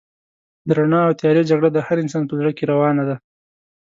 د رڼا او تيارې جګړه د هر انسان په زړه کې روانه ده.